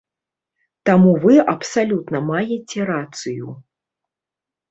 Таму вы абсалютна маеце рацыю.